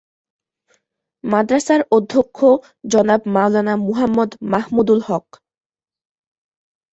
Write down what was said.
মাদ্রাসার অধ্যক্ষ জনাব মাওলানা মুহাম্মদ মাহমুদুল হক।